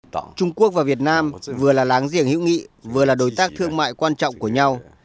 trung quốc và việt nam vừa là láng giềng hữu nghị vừa là đối tác thương mại quan trọng của nhau